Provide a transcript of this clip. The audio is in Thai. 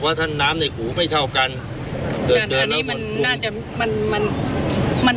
ว่าท่านน้ำในหูไม่เท่ากันอันนี้มันน่าจะมันมันมัน